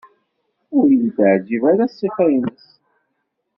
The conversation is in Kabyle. Ur iyi-teɛjib ara ṣṣifa-nnes.